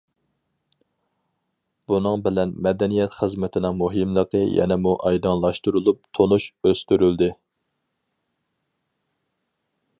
بۇنىڭ بىلەن مەدەنىيەت خىزمىتىنىڭ مۇھىملىقى يەنىمۇ ئايدىڭلاشتۇرۇلۇپ، تونۇش ئۆستۈرۈلدى.